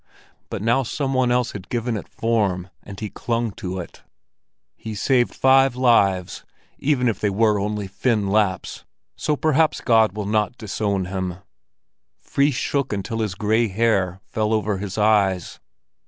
But now some one else had given it form, and he clung to it. "He saved five lives, even if they were only Finn Lapps; so perhaps God will not disown him." Fris shook his head until his gray hair fell over his eyes.